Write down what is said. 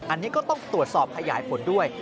อันนี้ก็ต้องตรวจสอบขยายผลด้วย